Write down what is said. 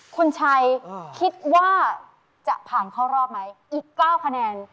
คุณชัยคิดว่าจะผ่านเข้ารอบไหมอีก๙คะแนน